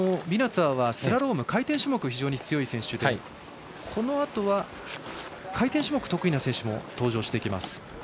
ビナツァーはスラローム回転種目に強い選手でこのあとは回転種目が得意な選手も登場してきます。